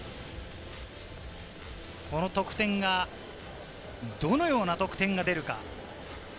この得点が、どのような得点が出るか？